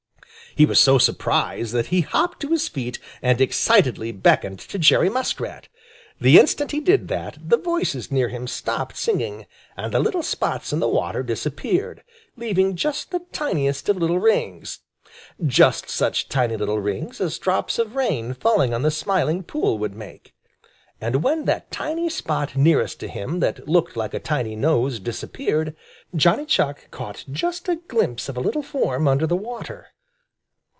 He was so surprised that he hopped to his feet and excitedly beckoned to Jerry Muskrat. The instant he did that, the voices near him stopped singing, and the little spots on the water disappeared, leaving just the tiniest of little rings, just such tiny little rings as drops of rain falling on the Smiling Pool would make. And when that tiny spot nearest to him that looked like a tiny nose disappeared, Johnny Chuck caught just a glimpse of a little form under the water.